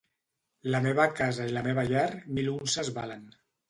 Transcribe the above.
La meva casa i la meva llar mil unces valen.